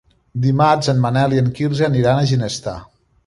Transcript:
Dimarts en Manel i en Quirze aniran a Ginestar.